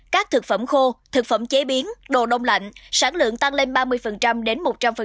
các thực phẩm khô thực phẩm chế biến đồ đông lạnh sản lượng tăng lên ba mươi đến một trăm linh